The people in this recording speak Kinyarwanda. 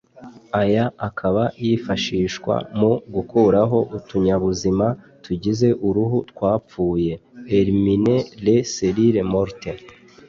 aya akaba yifashishwa mu gukuraho utunyabuzima tugize uruhu twapfuye (éliminer les cellules mortes)